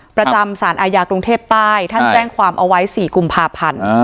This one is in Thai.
ประจำสารอาญากรุงเทพใต้ท่านแจ้งความเอาไว้๔กุมภาพันธ์